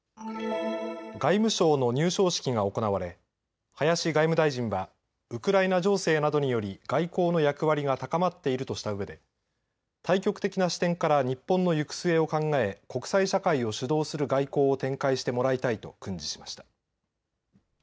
外務省の入省式が行われ林外務大臣はウクライナ情勢などにより外交の役割が高まっているとしたうえで大局的な視点から日本の行く末を考え国際社会を主導する外交を展開してもらいたいと訓示しました。